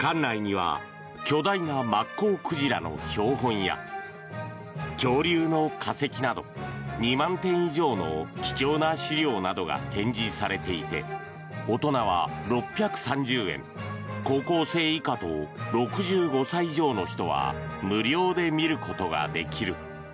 館内には巨大なマッコウクジラの標本や恐竜の化石など２万点以上の貴重な資料などが展示されていて大人は６３０円高校生以下と６５歳以上の人は無料で見ることができる。